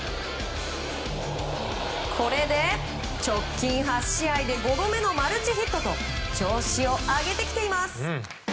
これで直近８試合で５度目のマルチヒットと調子を上げてきています。